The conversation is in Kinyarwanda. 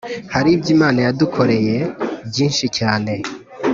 Haribyo imana yadukorerye byinshi cyane